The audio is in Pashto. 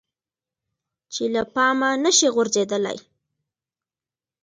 چې له پامه نشي غورځیدلی.